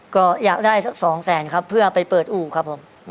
ก็อยากได้สักสองแสนครับเพื่อไปเปิดอู่ครับผม